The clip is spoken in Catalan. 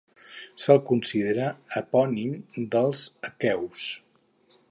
Se'l considera epònim dels aqueus.